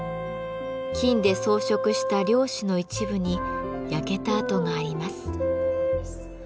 金で装飾した料紙の一部に焼けた跡があります。